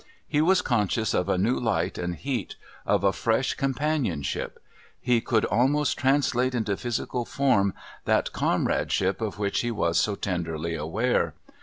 He was conscious of a new light and heat, of a fresh companionship; he could almost translate into physical form that comradeship of which he was so tenderly aware.